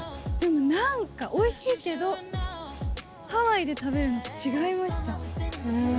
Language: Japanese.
でもなんかおいしいけど、ハワイで食べるのと違いました。